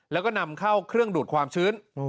แล้วก็นำเข้าเครื่องดูดความชื้น